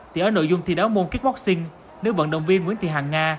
thì ở nội dung thi đấu môn kitboxing nữ vận động viên nguyễn thị hàng nga